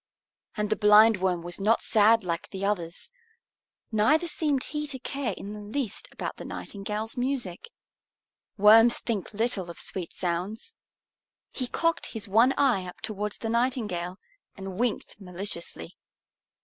And the Blindworm was not sad like the others, neither seemed he to care in the least about the Nightingale's music. Worms think little of sweet sounds. He cocked his one eye up towards the Nightingale and winked maliciously.